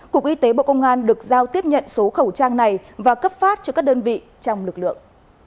cục y tế bộ công an được giao tiếp nhận số khẩu trang này và cấp phát cho các đơn vị trong lực lượng